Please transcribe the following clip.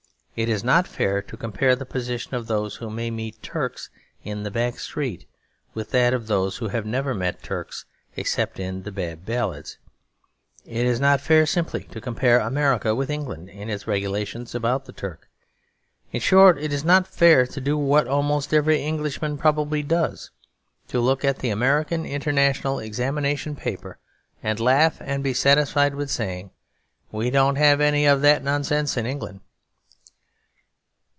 It is not fair to compare the position of those who may meet Turks in the back street with that of those who have never met Turks except in the Bab Ballads. It is not fair simply to compare America with England in its regulations about the Turk. In short, it is not fair to do what almost every Englishman probably does; to look at the American international examination paper, and laugh and be satisfied with saying, 'We don't have any of that nonsense in England.'